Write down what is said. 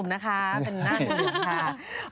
เป็นน่างงูเหลือมค่ะ